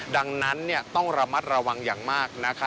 ดังนั้นต้องระมัดระวังอย่างมากนะคะ